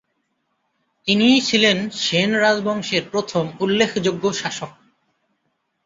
তিনিই ছিলেন সেন রাজবংশের প্রথম উল্লেখযোগ্য শাসক।